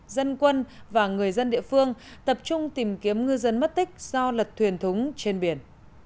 dân quân và người dân địa phương tập trung tìm kiếm ngư dân mất tích do lật thuyền thúng trên biển